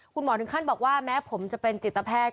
คุณหมอถึงขั้นบอกว่าแม้ผมจะเป็นจิตแพทย์